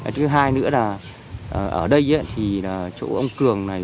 thứ hai nữa là ở đây thì chỗ ông cường này